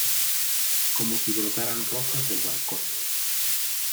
Como si brotaran rosas del balcón.